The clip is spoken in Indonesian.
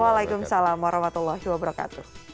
waalaikumsalam warahmatullah wabarakatuh